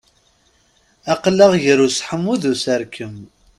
Aql-aɣ gar useḥmu d userkem.